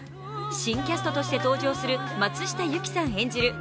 新キャストとして登場する松下由樹さん